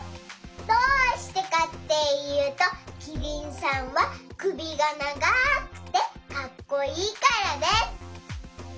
どうしてかっていうとキリンさんはくびがながくてかっこいいからです。